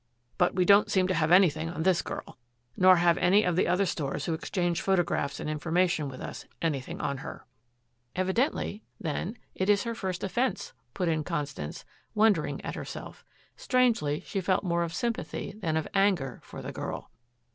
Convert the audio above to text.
But we don't seem to have anything on this girl, nor have any of the other stores who exchange photographs and information with us anything on her." "Evidently, then, it is her first offense," put in Constance, wondering at herself. Strangely, she felt more of sympathy than of anger for the girl.